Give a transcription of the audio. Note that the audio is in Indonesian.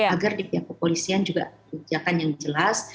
agar di pihak kepolisian juga kebijakan yang jelas